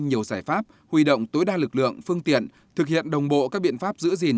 nhiều giải pháp huy động tối đa lực lượng phương tiện thực hiện đồng bộ các biện pháp giữ gìn